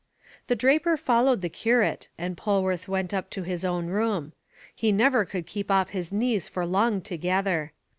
The draper followed the curate, and Polwarth went up to his own room: he never could keep off his knees for long together.